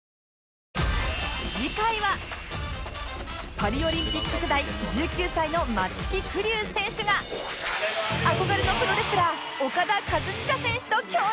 パリオリンピック世代１９歳の松木玖生選手が憧れのプロレスラーオカダ・カズチカ選手と共演！